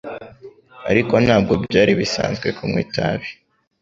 ariko ntabwo byari bisanzwe kunywa itabi